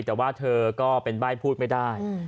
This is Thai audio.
แต่ว่าเธอก็เป็นใบ้พูดไม่ได้